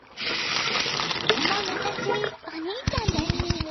とても優しいお兄ちゃんです。